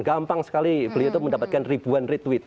gampang sekali beliau itu mendapatkan ribuan retweet